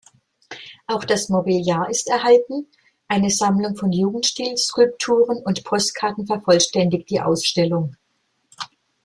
Auch das Mobiliar ist erhalten, eine Sammlung von Jugendstil-Skulpturen und -Postkarten vervollständigt die Ausstellung.